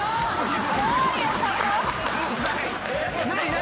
何？